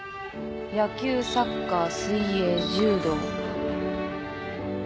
野球サッカー水泳柔道。